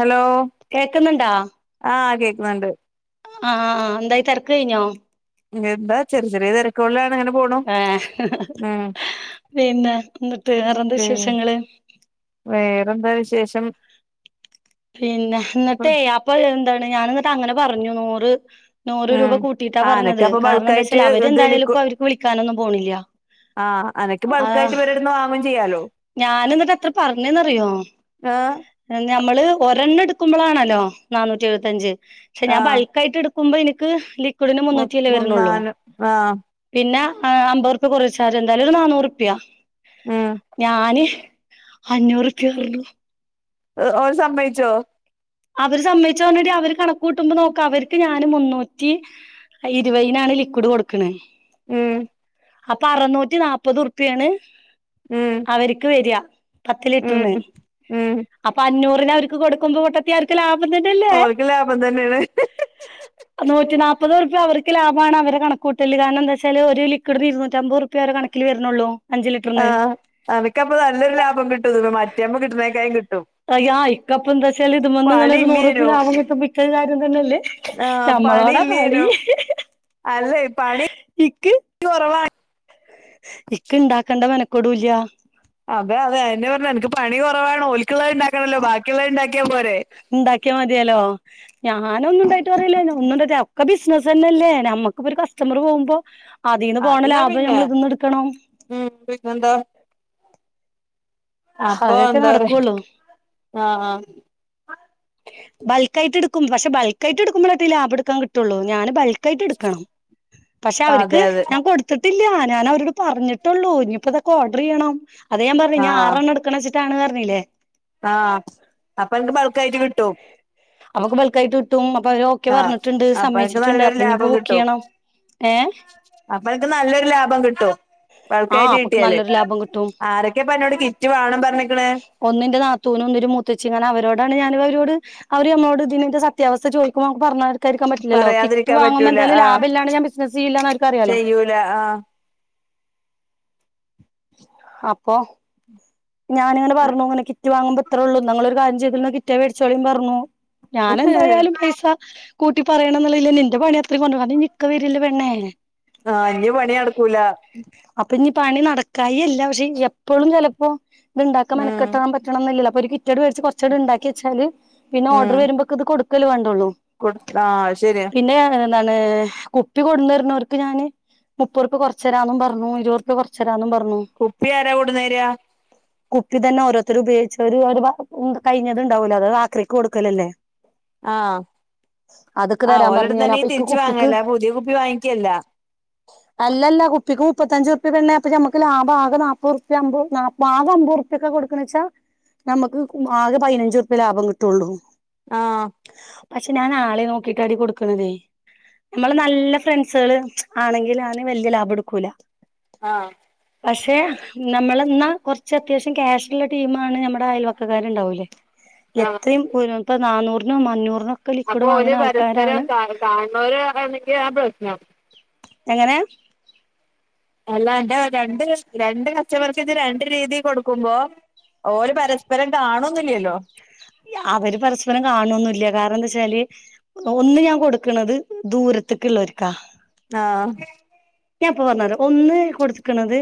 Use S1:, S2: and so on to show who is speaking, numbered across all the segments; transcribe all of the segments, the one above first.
S1: Hello
S2: കേക്കുന്നുണ്ടാ
S1: ആഹ് കേക്കുന്നുണ്ട്
S2: അ ആ ആഹ് എന്തായി തെരക്ക് കയിഞ്ഞോ
S1: പിന്നെ എന്താ ചെറി ചെറിയ തൈ കൊള്ളാനങ്ങന പോണു
S2: ഏഹ്,
S1: ഉം
S2: പിന്നെ എന്നിട്ട് വേറെന്ത
S1: പി
S2: വിശേഷങ്ങള്?
S1: വേറെന്താ വിശേഷം.
S2: പിന്നെ എന്നിട്ടേ അപ്പൊ എന്താണ് ഞാനെന്നിട്ട് അങ്ങനെ പറഞ്ഞു നൂറ്. നൂറ് രൂപ
S1: ഉം
S2: കൂട്ടിയിട്ടാ
S1: ആഹ് അനക്ക്
S2: പറഞ്ഞത്,
S1: അപ്പൊ
S2: കാരണം എന്താ
S1: ബൾക്കായിട്ട്
S2: വെച്ചാൽ
S1: ഇത് ലിക്കു
S2: അവരെന്തായാലുംപ്പ അവർക്ക് വിളിക്കാനൊന്നും പോണില്ല.
S1: ആഹ് അനക്ക്
S2: ആഹ്,
S1: ബൾക്കായിട്ട് ഇവരെടുന്ന് വാങ്ങും ചെയ്യാലോ
S2: ഞാനന്നട്ട് എന്നിട്ട് അത്ര പറഞ്ഞേന്ന് അറിയോ?
S1: ആഹ്
S2: ഞമ്മള് ഒരെണ്ണം എടുക്കുമ്പളാണല്ലോ നാനൂറ്റി എഴുപത്തഞ്ച്. ക്ഷ ഞാൻ
S1: ആഹ്
S2: ബൾക്കയിട്ട് എടുക്ക ക്കുമ്പ എനിക്ക് ലിക്വിഡിന്
S1: മു
S2: മുന്നൂറ്റി അല്ലേ വരണള്ളൂ.
S1: മൂന്നാല് ആഹ്
S2: പിന്നെ ആ അമ്പത്റ്പ്യ കൊറിയർ ചാർജ് എന്തായാലും ഒരു നാന്നൂറുപ്യ.
S1: ഉം
S2: ഞാന് അഞ്ഞൂറ്പ്യ പറഞ്ഞു.
S1: ഓ! ഓര് സമ്മയിച്ചോ?
S2: അവര് സമ്മയിച്ചോന്നെടി, അവര് കണകൂട്ടുംമ്പോ നോക്ക അവർക്ക് ഞാന് മുന്നൂ റ്റി ഇരുപതിനാണ് ലിക്വിഡ് കൊടുക്ക്ണ്.
S1: ഉം
S2: അപ്പ അറനൂറ്റി നാല്പ്പത് ഉറുപ്പ്യണ്.
S1: ഉം
S2: അവര്ക്ക് വെര, പത്ത്
S1: ഉം
S2: ലിറ്റർന്ന്.
S1: ഉം ഉം
S2: അപ്പൊ അഞ്ഞൂറിന് അവർക്ക് കൊടുക്കുമ്പോ പൊ ക്ക് ലാഭം തന്നല്ലേ.
S1: ഓൽക്ക് ലാഭം തന്നെയാണ്
S2: നൂറ്റിനാൽപ്പത്റുപ്യ അവർക്ക് ലാഭാണ് അവരെ കണക്കൂട്ടല്. കാരണം എന്താച്ചല് ഒരു ലിക്വിഡിന് ഇരുന്നൂറ്റമ്പത് ഉർ പ്യ ഓരേ കണക്കില് വരുന്നുള്ളൂ. അഞ്ച് ലിറ്ററിന്
S1: ആഹ്, അനക്കപ്പ നല്ലൊരു ലാഭം കിട്ടും ഇത്‌മെ മറ്റെമ്മ കിട്ടുന്നേക്കായും കിട്ടും.
S2: ആഹ് ഇക്കപ്പൊ എന്താച്ചാല് ഇത് മന്ന് ഇങ്ങന
S1: പണി
S2: ഒരു നൂറുപ
S1: ഇല്ലേനു
S2: ലാഭം കിട്ടുമ്പോ ഇക്കത് കാര്യം തന്നെല്ലേ.
S1: ആഹ്
S2: ഞമ്മളോടാ കളി.
S1: പണില്ലേനു അല്ലേ പണി
S2: ഇക്ക്
S1: [unintelligible]
S2: ഇക്ക് ഇണ്ടാക്കണ്ട മനക്കടൂല്ല.
S1: അതെ അതെ അതന്നെ പറഞ്ഞ് അനക്ക് പണി കൊറവാണ് ഓതക്കുള്ളത് ഉണ്ടാക്കണ്ടല്ലോ ബാക്കിള്ളത് ണ്ടാക്കിയാ പോരെേ.
S2: ഇണ്ടാക്കിയാ മതിയാലോ. ഞാൻ ഒന്നും ണ്ടായിട്ട് പറയല്ലല്ലോ. ഒന്നുണ്ടയിട്ടാ ഒക്കെ ബിസിനസന്നെല്ലേ നമ്മക്കിപ്പ ഒരു കസ്റ്റമർ പോകുമ്പോ അതിന്ന് പോണ
S1: അല്ല
S2: ലാഭം
S1: പിന്നെ
S2: നമ്മള് ഇത്‌ന്ന് എടുക്കണം.
S1: ഉം, [unintelligible] ന്താ അപ്പൊ
S2: ഹതൊക്കെ
S1: എന്താ പറയാ
S2: നടകൊള്ളൂ
S1: ആഹ്
S2: ബൾക്കായിട്ട് എടുക്കും പക്ഷ ബൾക്കായിട്ട് എടുക്ക്മ്പോഴട്ട ലാഭം എടുക്കൻ കിട്ടുള്ളൂ ഞാന് ബൾ ക്കായിട്ട് എടുക്കണം പക്ഷെ
S1: ആഹ്
S2: അവർക്ക്
S1: അതെ അതെ
S2: ഞാൻ കൊടു ത്തിട്ടില്ല ഞൻ അവരോട് പറഞ്ഞിട്ടുള്ളൂ ഇനിയിപ്പോ ഇതൊക്കെ ഓർഡർ ചെയ്യണം അത ഞാൻ പറഞ്ഞ് ആഹ് ടുക്കണം ച്ചിട്ടാണ് പറഞ്ഞില്ലേ
S1: ആഹ് അപ്പൊ അനക്ക് ബൾക്ക് ആയിട്ട് കിട്ടും
S2: അപൊക്ക് ബൾക്കായിട്ട് ഇട്ടും അപ്പ അവര് ഓക്കെ
S1: ആഹ്
S2: പറഞ്ഞിട്ടുണ്ട്
S1: അപ്പൊ അനക്ക്
S2: സമ്മയിച്ചിട്ടുണ്ട്
S1: നല്ലൊരു
S2: അപ്പൊ ഇനിയിപ്പോ
S1: ലാഭം കിട്ടും
S2: ബുക്കയ്യണം ഏഹ്
S1: അപ്പൊ അനക്ക് നല്ലൊരു ലാഭം കിട്ടും
S2: ആ
S1: ബൾക്കായിട്ട്
S2: അപ്പൊക്ക്
S1: കിട്ടിയാല്
S2: നല്ലൊരു ലാഭം കിട്ടും
S1: ആരൊക്കെപ്പ അന്നോട് കിറ്റ് വാണം പറഞ്ഞക്ക്ണ്
S2: ഒന്നിന്റെ നാത്തൂനും ഒന്നൊരു മുത്തച്ചി കാരണം അവരോടാണ് ഞാന അവരോട് അവര് ഞമ്മോട് ഇതിനിന്റെ സത്യാവസ്ഥ ചോദിക്കുമ്പോ മ്മ്ക് പറഞ്ഞാ കായിരിക്കാൻ പറ്റില്ലല്ലോ കിറ്റ്
S1: പറയാതിരിക്കാൻ
S2: വാങ്ങുമ്പോ
S1: പറ്റൂല
S2: എന്തായാലും ലാഭില്ലാണ്ട് ഞാൻ ബിസ്നസ് ചെയ്യില്ലന്ന് അവർക്ക് അറിയാലോ
S1: ചെയ്യൂല ല്ല ആഹ്
S2: അപ്പൊ ഞാനിങ്ങനെ പറഞ്ഞു ഇങ്ങനെ കിറ്റ് വാങ്ങുമ്പോ ത്രോള്ളൂ ന്നാ ങ്ങളൊരു കാര്യം ചെയ്തോ കിറ്റേ മേടിച്ചോളിം ന്ന് പറഞ്ഞു ഞാന
S1: ആഹ്
S2: എന്തായാലും പൈസ കൂട്ടി പറയണം ന്നുള്ളില്ലന്നെ എന്റെ പണിയ ഇത്രിം [unintelligible] അതിനി ഇക്ക വരല്ലേ പെണ്ണെ
S1: ആഹ് ഇഞ്ഞ് പണി നടക്കൂല
S2: അപ്പൊ ഇഞി പണി നടക്കായില്ല പക്ഷെ എപ്പോഴും ചെലപ്പോ ഇത്ണ്ടാക്കാൻ
S1: ഉം
S2: മനക്കെട്ടാണം പറ്റണംന്നില്ലല്ലോ അപ്പൊ ഒരു കിറ്റങ്ങട് വച്ച് കുറച്ചങ്ട് ഉണ്ടാക്കി വച്ചാല് പിന്നെ ഓഡർ
S1: ഉം
S2: വരുമ്പോ ഇത് കൊടുക്കേല്ലേ വേണ്ടള്ളൂ
S1: കൊടു ആഹ് ശരിയ
S2: പിന്നെയാണ് എന്താണ് കുപ്പി കൊടുന്ന്തരുന്നോർക് ഞാന് മുപ്പത്തുറപ്പ്യ കുറച്ചരാന്നു പറഞ്ഞു ഇരുപതുറപ്പ്യ കുറച്ചുരാന്നും പറഞ്ഞു
S1: കുപ്പി ആരാ കൊടുന്നേരാ
S2: [inaudible] കുപ്പി തന്നെ ഓരോരുത്തരു ഉപയോഗിച്ചവര് ഒരു [unintelligible] കഴിഞ്ഞത് ഉണ്ടാവലോ അത് ആക്രിക്ക് കൊടുക്കലല്ലേ
S1: ആഹ്
S2: അതൊക്കെ
S1: ആഹ്
S2: തരാൻ പറഞ്ഞു ഞാൻ
S1: ഓലടുത്തുന്നെ
S2: അപ്പൊ
S1: ഈ
S2: ഇക്ക്
S1: തിരിച്ചു
S2: കുപ്പിക്ക്
S1: വാങ്ങല്ല പുതിയ കുപ്പി വാങ്ങിക്കല്ല
S2: അല്ലല്ലാ കുപ്പിക്ക് മുപ്പത്തഞ്ചുരുപ്പിയ പെണ്ണേ അപ്പോ ഞമ്മക് ലാഭം ആകെ നപ്പത്തൂർപ്യ അമ്പ് നല് ആകെ അമ്പത്തുർപ്പിക്ക കൊടുക്കണച്ച നമുക്ക് ആകെ പതിനഞ്ചു ഉറുപ്യ ലാഭം കിട്ടയുള്ളൂ
S1: ആഹ്
S2: പക്ഷെ ഞാൻ ആളെ നോക്കിട്ടാടി കൊടുക്കുണതേ നമ്മള് നല്ല ഫ്രണ്ട്സുകള് ആണെങ്കില് ഞാന് വല്യ ലാഭം എടുക്കൂല
S1: ആഹ്
S2: പക്ഷെ നമ്മളെ ന്ന കുറച്ച് അത്യാവശ്യം ക്യാഷുള്ള ടീംണ് നമ്മുടെ അയൽവക്കകാരുണ്ടാവുല്ലേ
S1: ആഹ്
S2: എത്രയും [unintelligible] ഇപ്പ നന്നൂറിനോ മഞ്ഞൂറിനോ
S1: അപ്പൊ ഒരു പരസ്പരം കാണു കാണുന്നോര ആണെങ്കിൽ ആഹ് പ്രശ്നം
S2: എങ്ങനെ
S1: എല്ലാ അന്റെ രണ്ട് രണ്ട് കസ്റ്റമർക്ക് ഇത് രണ്ട് രീതി കൊടുക്കുമ്പോ ഓര് പരസ്പരം കാണുന്നില്ലല്ലോ
S2: അവര് പരസ്പരം കാണൊന്നില്ല കാരണം എന്താച്ചാല് ഒന്ന് ഞാൻ കൊടുക്കണത് ദൂരത്തേക്ക് ഇള്ളൊരുക്കാ
S1: ആഹ്
S2: ഞാൻപ്പൊ പറഞ്ഞരാ ഒന്ന് കൊടുക്കണത്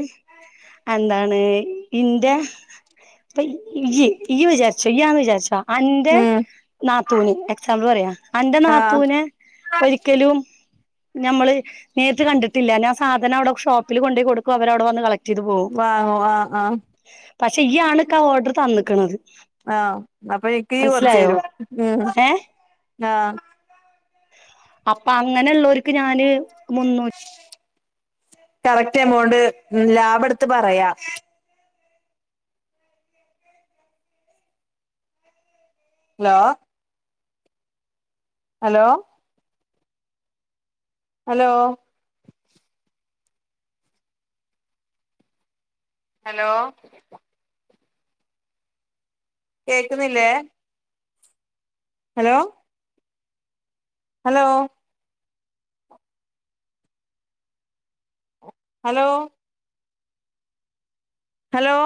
S2: എന്താണ് ഇന്റെ ഇപ്പൊ ഈയ് ഈയ് വിചാരിച്ചോ ഈയ്യാന്ന് വിചാരി അന്റെ
S1: ഉം
S2: നാത്തൂവിന് എക്സാമ്പിൾ പറയാ അന്റെ
S1: ആഹ്
S2: നാത്തൂവിനെ ഒരിക്കലും ഞമ്മള് നേരിട്ട് കണ്ടിട്ടില്ല ഞാൻ സാധനം അവിടെ ഷോപ്പില് കൊണ്ടോയി കൊടുക്കും അവര് അവിടെ വന്ന് കളക് ചെയത് പോവും
S1: വാങ്ങും ആഹ് ആഹ്
S2: പക്ഷേ ഈ ആളൊക്കെ ഓർഡർ തന്നക്കണത്
S1: ആഹ് അപ്പൊ എനിക്ക് കുറച്ച് തരുവോ ഉം
S2: ഏ
S1: ആഹ്
S2: അപ്പൊ അങ്ങനെ ഉള്ളവർക്ക് ഞാന് മുന്നു
S1: കറക്റ്റ് എമൗണ്ട് ലാഭം എടുത്ത് പറയാം ഹലോ ഹലോ ഹലോ ഹലോ കേൾക്കുന്നില്ലേ ഹലോ ഹലോ ഹലോ ഹലോ